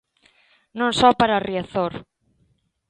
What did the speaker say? Non só para Riazor.